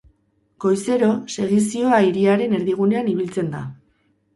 Goizero, segizioa hiriaren erdigunean ibiltzen da.